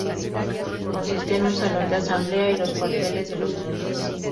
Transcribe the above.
Consistía en un salón de asamblea y los cuarteles de los monjes.